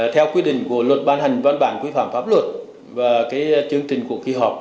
theo quy định của luật ban hành văn bản quy phạm pháp luật và chương trình của kỳ họp